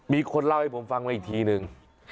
มีคนเล่าให้ผมฟังมาอีกทีนึง